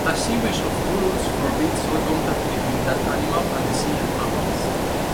A series of rules forbids all contact between that animal and the sea-mammals.